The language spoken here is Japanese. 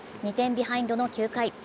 ２点ビハインドの９回。